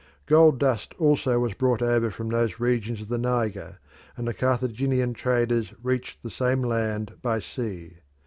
Gold dust also was brought over from those regions of the Niger, and the Carthaginian traders reached the same land by sea.